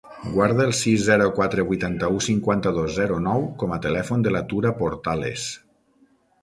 Guarda el sis, zero, quatre, vuitanta-u, cinquanta-dos, zero, nou com a telèfon de la Tura Portales.